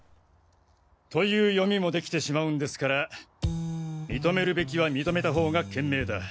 という読みも出来てしまうんですから認めるべきは認めた方が賢明だ。